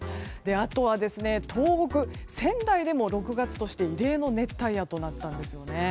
あとは東北、仙台でも６月として異例の熱帯夜になったんですね。